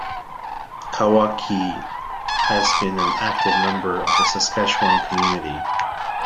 Karwacki has been an active member of the Saskatchewan community.